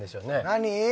何？